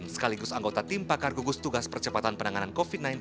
sekaligus anggota tim pakar gugus tugas percepatan penanganan covid sembilan belas